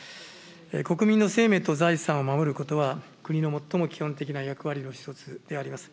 国民の生命と財産を守ることは、国の最も基本的な役割の一つであります。